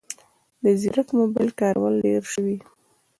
د ځیرک موبایل کارول ډېر شوي